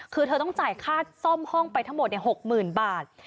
คือเธอต้องจ่ายค่าซ่อมห้องไปทั้งหมด๖๐๐๐บาท